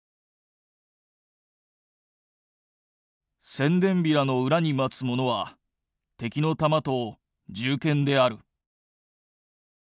「宣伝ビラの裏に待つものは敵の弾と銃剣である」。